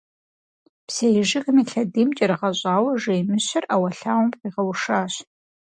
Псей жыгым и лъэдийм кӀэрыгъэщӀауэ жей Мыщэр ӏэуэлъауэм къигъэушащ.